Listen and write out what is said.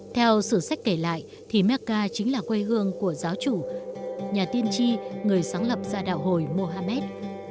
theo sử sách kể lại thì mecca chính là quê hương của giáo chủ nhà tiên tri người sáng lập ra đạo hồi mohamed